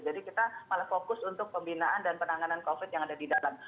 jadi kita malah fokus untuk pembinaan dan penanganan covid yang ada di dalam